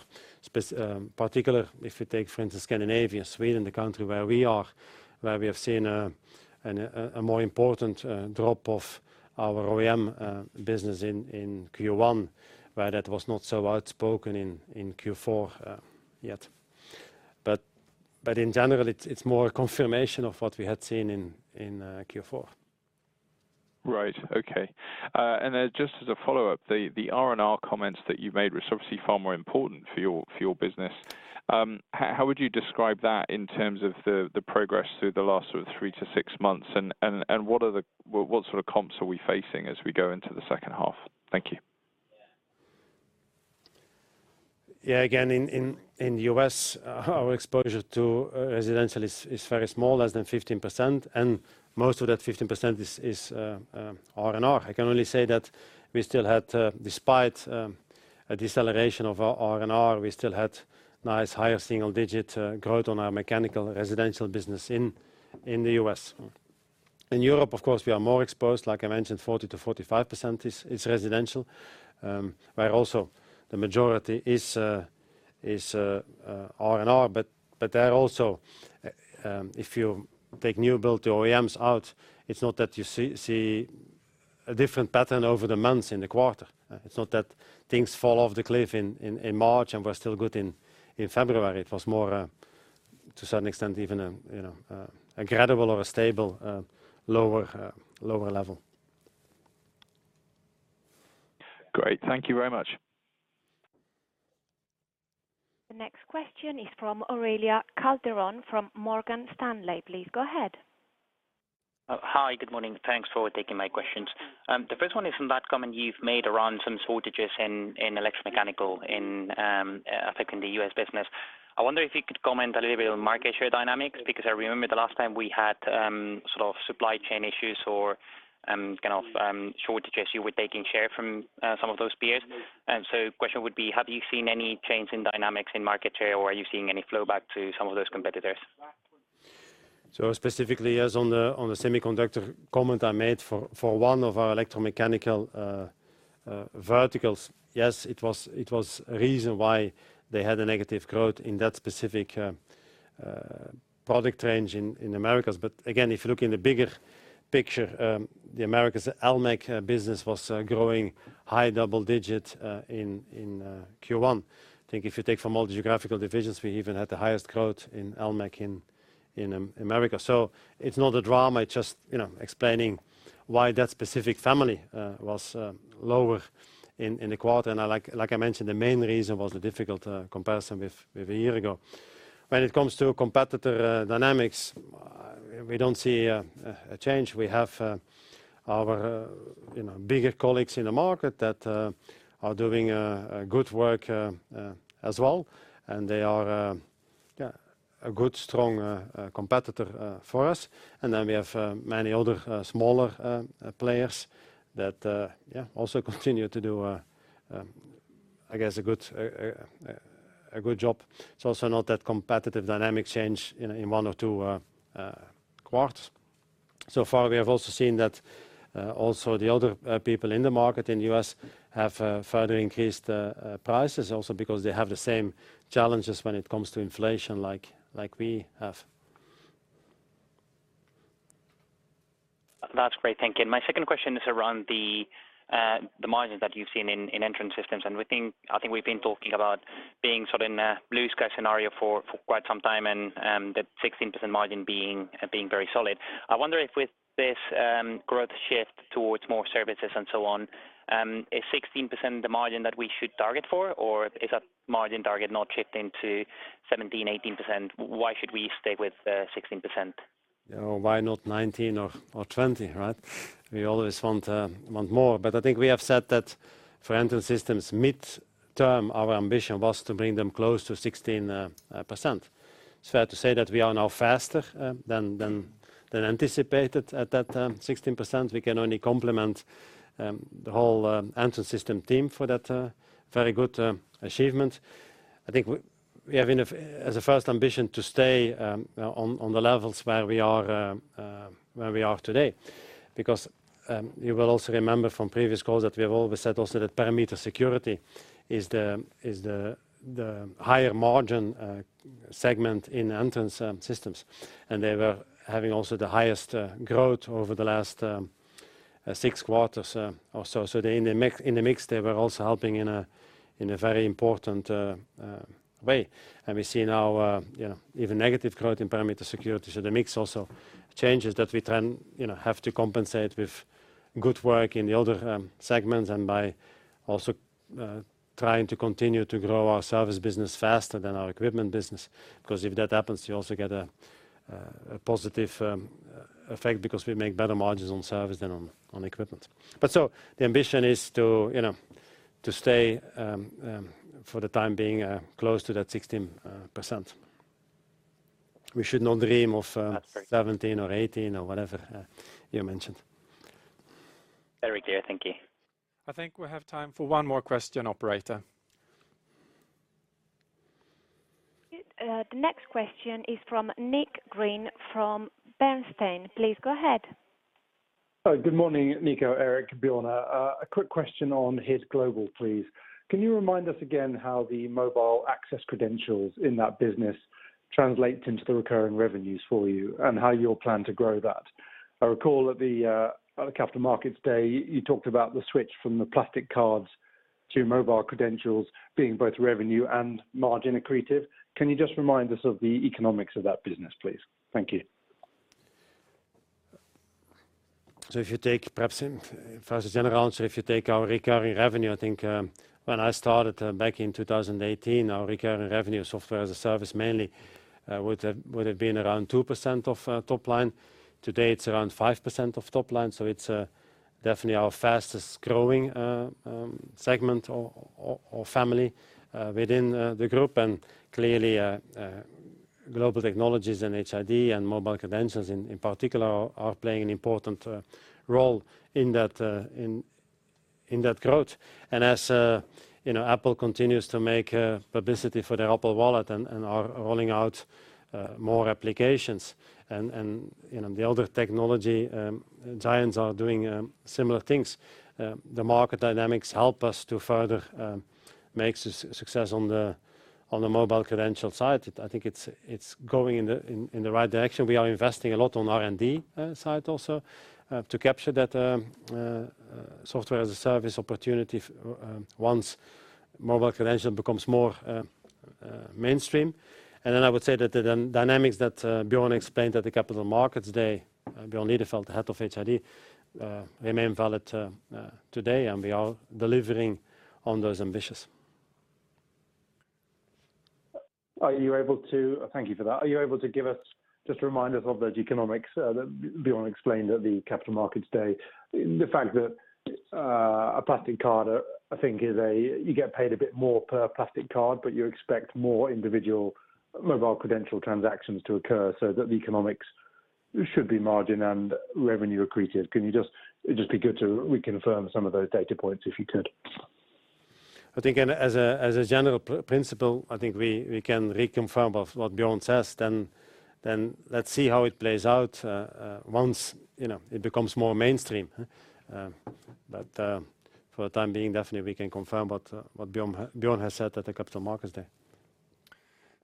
Particular, if we take, for instance, Scandinavia, Sweden, the country where we are, where we have seen a more important drop of our OEM business in Q1, where that was not so outspoken in Q4 yet. In general, it's more a confirmation of what we had seen in Q4. Right. Okay. Just as a follow-up, the R&R comments that you made were obviously far more important for your business. How would you describe that in terms of the progress through the last sort of three to six months? What sort of comps are we facing as we go into the second half? Thank you. Yeah. Again, in the U.S., our exposure to residential is very small, less than 15%, and most of that 15% is R&R. I can only say that we still had, despite a deceleration of R&R, nice higher single-digit growth on our mechanical residential business in the US. In Europe, of course, we are more exposed. Like I mentioned, 40%-45% is residential, where also the majority is R&R. There also, if you take new build to OEMs out, it's not that you see a different pattern over the months in the quarter. It's not that things fall off the cliff in March, and we're still good in February. It was more, to a certain extent, even, you know, a credible or a stable, lower level. Great. Thank you very much. The next question is from Aurelio Calderon, from Morgan Stanley. Please go ahead. Hi. Good morning. Thanks for taking my questions. The first one is from that comment you've made around some shortages in electromechanical affecting the U.S. business. I wonder if you could comment a little bit on market share dynamics, because I remember the last time we had sort of supply chain issues or kind of shortages, you were taking share from some of those peers. Question would be, have you seen any change in dynamics in market share or are you seeing any flow back to some of those competitors? Specifically, yes, on the semiconductor comment I made for one of our electromechanical verticals. Yes, it was a reason why they had a negative growth in that specific product range in Americas. Again, if you look in the bigger picture, the Americas EMEIA business was growing high double digits in Q1. I think if you take from all geographical divisions, we even had the highest growth in EMEIA in Americas. It's not a drama, it's just, you know, explaining why that specific family was lower in the quarter. Like I mentioned, the main reason was the difficult comparison with a year ago. When it comes to competitor dynamics, we don't see a change. We have, our, you know, bigger colleagues in the market that are doing good work as well, and they are, yeah, a good strong competitor for us. We have many other smaller players that, yeah, also continue to do, I guess a good job. It's also not that competitive dynamic change in one or two quarters. So far we have also seen that also the other people in the market in U.S. have further increased prices also because they have the same challenges when it comes to inflation like we have. That's great. Thank you. My second question is around the margins that you've seen in Entrance Systems. I think we've been talking about being sort in a blue sky scenario for quite some time, and the 16% margin being very solid. I wonder if with this growth shift towards more services and so on, is 16% the margin that we should target for? Is that margin target not shifting to 17%, 18%? Why should we stay with 16%? You know, why not 19% or 20%, right? We always want more. I think we have said that for Entrance Systems midterm, our ambition was to bring them close to 16%. It's fair to say that we are now faster than anticipated at that 16%. We can only compliment the whole Entrance Systems team for that very good achievement. I think we have enough as a first ambition to stay on the levels where we are today. You will also remember from previous calls that we have always said also that perimeter security is the higher margin segment in Entrance Systems. They were having also the highest growth over the last six quarters or so. They in the mix, they were also helping in a very important way. We see now, you know, even negative growth in parameter security. The mix also changes that we then, you know, have to compensate with good work in the other segments and by also trying to continue to grow our service business faster than our equipment business. 'Cause if that happens, you also get a positive effect because we make better margins on service than on equipment. The ambition is to, you know, to stay for the time being close to that 16%. We should not dream of. That's great.... 17% or 18% or whatever, you mentioned. Very clear. Thank you. I think we have time for one more question, operator. The next question is from Nick Green from Bernstein. Please go ahead. Oh, good morning, Nico, Erik Pieder, Björn. A quick question on HID Global, please. Can you remind us again how the mobile access credentials in that business translate into the recurring revenues for you and how you'll plan to grow that? I recall at the Capital Markets Day, you talked about the switch from the plastic cards to mobile credentials being both revenue and margin accretive. Can you just remind us of the economics of that business, please? Thank you. If you take perhaps First, a general answer, if you take our recurring revenue, I think, when I started back in 2018, our recurring revenue software as a service mainly, would have been around 2% of top line. Today, it's around 5% of top line. It's definitely our fastest growing segment or family within the group. Clearly, Global Technologies and HID and mobile credentials in particular are playing an important role in that growth. As, you know, Apple continues to make publicity for their Apple Wallet and are rolling out more applications and, you know, the other technology giants are doing similar things, the market dynamics help us to further make success on the mobile credential side. I think it's going in the right direction. We are investing a lot on R&D side also to capture that software as a service opportunity once mobile credential becomes more mainstream. Then I would say that the dynamics that Björn explained at the Capital Markets Day, Björn Lidefelt, the Head of HID, remain valid today and we are delivering on those ambitions. Thank you for that. Are you able to give us, just remind us of those economics that Björn explained at the Capital Markets Day? The fact that a plastic card, you get paid a bit more per plastic card, but you expect more individual mobile credential transactions to occur so that the economics should be margin and revenue accreted. It'd just be good to reconfirm some of those data points if you could. I think as a general principle, I think we can reconfirm of what Björn says, then let's see how it plays out once, you know, it becomes more mainstream. But for the time being, definitely we can confirm what Björn has said at the Capital Markets Day.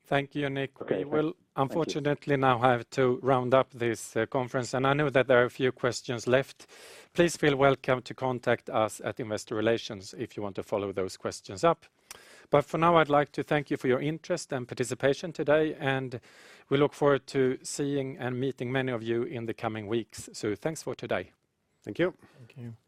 Thank you, Nick. Okay. Thank you. We will unfortunately now have to round up this conference. I know that there are a few questions left. Please feel welcome to contact us at Investor Relations if you want to follow those questions up. For now, I'd like to thank you for your interest and participation today. We look forward to seeing and meeting many of you in the coming weeks. Thanks for today. Thank you. Thank you.